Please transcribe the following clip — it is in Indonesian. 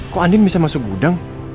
kok andin bisa masuk gudang